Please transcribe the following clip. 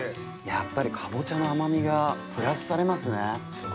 やっぱりかぼちゃの甘みがプラスされますね。